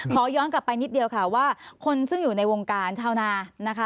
ขอย้อนกลับไปนิดเดียวค่ะว่าคนซึ่งอยู่ในวงการชาวนานะคะ